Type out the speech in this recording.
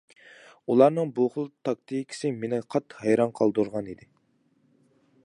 ئۇلارنىڭ بۇ خىل تاكتىكىسى مېنى قاتتىق ھەيران قالدۇرغان ئىدى.